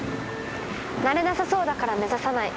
なれなさそうだから目指さない。